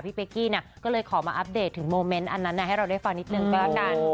เป๊กกี้ก็เลยขอมาอัปเดตถึงโมเมนต์อันนั้นให้เราได้ฟังนิดนึงก็แล้วกัน